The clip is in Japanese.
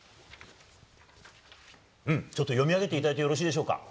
ちょっと読み上げていただいてよろしいでしょうか。